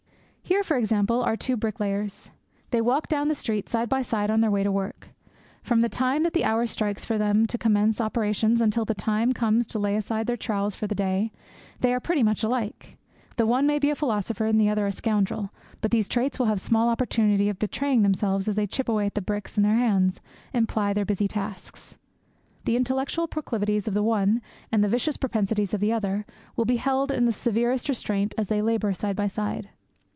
Here, for example, are two bricklayers. They walk down the street side by side on their way to their work. From the time that the hour strikes for them to commence operations until the time comes to lay aside their trowels for the day, they are pretty much alike. The one may be a philosopher and the other a scoundrel; but these traits will have small opportunity of betraying themselves as they chip away at the bricks in their hands, and ply their busy tasks. The intellectual proclivities of the one, and the vicious propensities of the other, will be held in the severest restraint as they labour side by side.